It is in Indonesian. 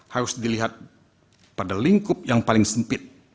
harus dilihat pada lingkup yang paling sempit